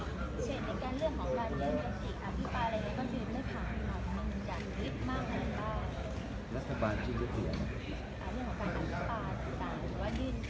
วว